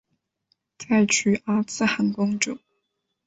再娶阿剌罕公主。